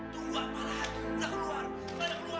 tunggu malah aku udah keluar udah keluar